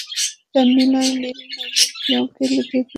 তিনি নিলয় নীল নামে ব্লগে লিখতেন এবং গণজাগরণ মঞ্চের সক্রিয় কর্মী ছিলেন।